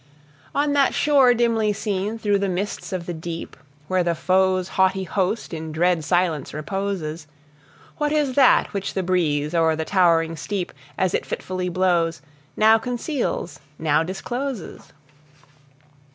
On that shore dimly seen through the mists of the deep, Where the foe's haughty host in dread silence reposes, What is that which the breeze, o'er the towering steep, As it fitfully blows, now conceals, now discloses?